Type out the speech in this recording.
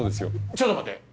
ちょっと待って！